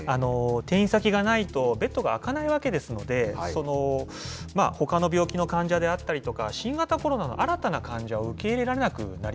転院先がないと、ベッドが空かないわけですので、ほかの病気の患者であったりとか、新型コロナの新たな患者を受け入れられなくな